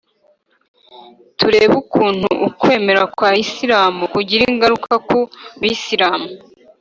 turebe ukuntu ukwemera kwa isilamu kugira ingaruka ku bisilamu